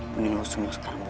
mending lo semua sekarang bubar